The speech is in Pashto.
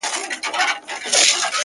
د څيلې څه څه گيله؟